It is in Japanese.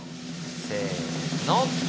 せの！